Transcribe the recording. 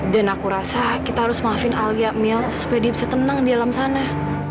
dan aku rasa kita harus maafin alia mil supaya dia bisa tenang di alam sana